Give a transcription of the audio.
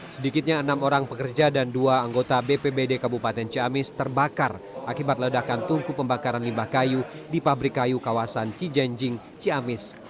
sedikitnya enam orang pekerja dan dua anggota bpbd kabupaten ciamis terbakar akibat ledakan tungku pembakaran limbah kayu di pabrik kayu kawasan cijenjing ciamis